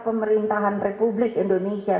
pemerintahan republik indonesia